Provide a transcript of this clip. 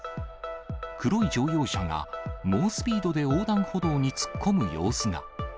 黒い乗用車が、猛スピードで横断歩道に突っ込む様子が。